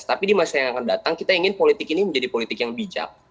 tapi di masa yang akan datang kita ingin politik ini menjadi politik yang bijak